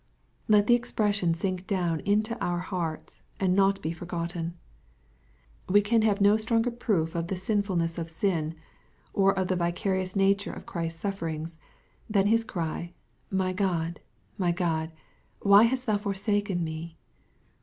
Let the expression sink down into our hearts, and not be forgotten. We can have no stronger proof of the sinfulness of sin, or of the vicarious nature of Christ's suflferings, than His cry, " My God, my God, why hast thou forsaken me